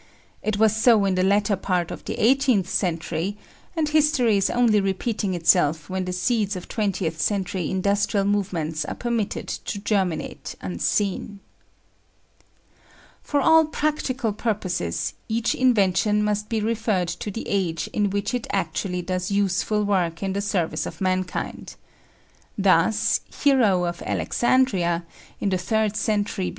It was so in the latter part of the eighteenth century, and history is only repeating itself when the seeds of twentieth century industrial movements are permitted to germinate unseen. For all practical purposes each invention must be referred to the age in which it actually does useful work in the service of mankind. Thus, Hero of Alexandria, in the third century B.C.